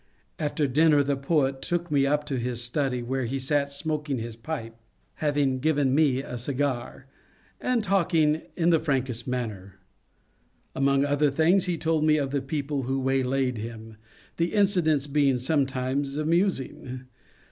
After dinner the poet took me up to his study, where he sat smoking his pipe — having given me a cigar — and talking in the frankest manner. Among other things he told me of the people who waylaid him, the incidents being sometimes amusing.